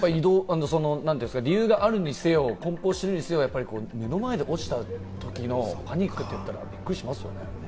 理由があるにせよ、梱包してるにせよ、目の前で落ちたときのパニックっていったらびっくりしますよね。